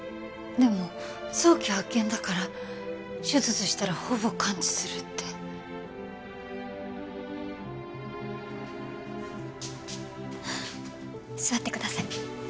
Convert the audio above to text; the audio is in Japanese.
でも早期発見だから手術したらほぼ完治するって座ってください